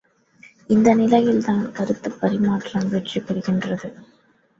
இந்த நிலையில் தான் கருத்துப் பரிமாற்றம் வெற்றி பெறுகிறது.